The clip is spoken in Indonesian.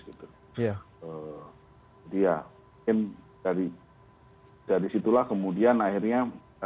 jadi ya mungkin dari situlah kemudian akhirnya